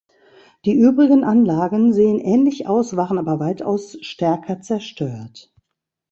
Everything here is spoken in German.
Die übrigen Anlagen sehen ähnlich aus, waren aber weitaus stärker zerstört.